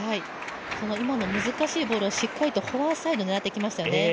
今の難しいボールをしっかりとフォアサイド狙っていきましたよね。